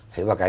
thế và cái